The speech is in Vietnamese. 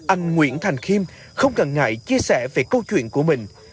anh nguyễn thành khiêm không cần ngại chia sẻ về câu chuyện của mình